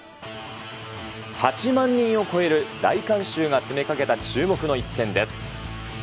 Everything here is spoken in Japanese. ８万人を超える大観衆が詰めかけた注目の一戦です。